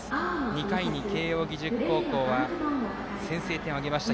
２回に慶応義塾高校は先制点を挙げました。